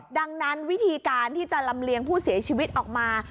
ดังนั้นวิธีการที่จะลำเลียงผู้เสียชีวิตออกมา